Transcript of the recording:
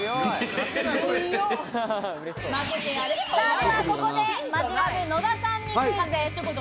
ではここで、マヂラブ・野田さんにクイズです。